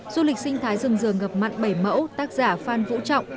du lịch sinh thái rừng rường ngập mặn bảy mẫu tác giả phan vũ trọng